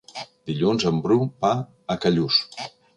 Dilluns en Bru va a Callús.